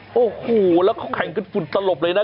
โอ้โหแล้วเขาแข่งกันฝุ่นสลบเลยนะ